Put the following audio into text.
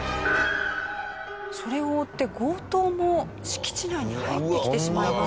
それを追って強盗も敷地内に入ってきてしまいます。